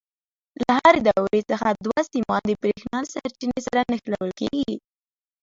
له هرې دورې څخه دوه سیمان د برېښنا له سرچینې سره نښلول کېږي.